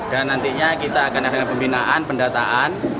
dan nantinya kita akan menghadirkan pembinaan pendataan